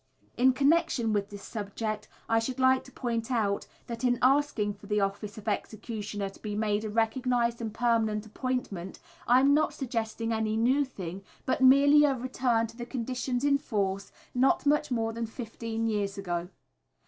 In connection with this subject I should like to point out that in asking for the office of executioner to be made a recognised and permanent appointment, I am not suggesting any new thing, but merely a return to the conditions in force not much more than fifteen years ago.